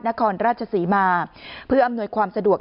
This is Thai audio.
นครราชศรีมาเพื่ออำนวยความสะดวก